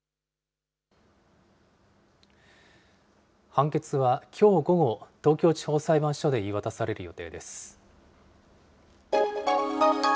判決はきょう午後、東京地方裁判所で言い渡される予定です。